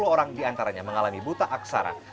satu ratus sepuluh orang di antaranya mengalami buta aksara